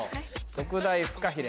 特大フカヒレ！